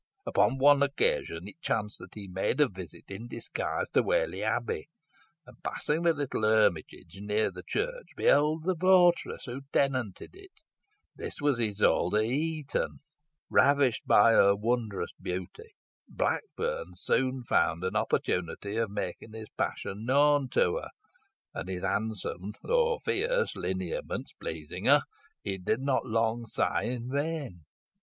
"Upon one occasion it chanced that he made a visit in disguise to Whalley Abbey, and, passing the little hermitage near the church, beheld the votaress who tenanted it. This was Isole de Heton. Ravished by her wondrous beauty, Blackburn soon found an opportunity of making his passion known to her, and his handsome though fierce lineaments pleasing her, he did not long sigh in vain.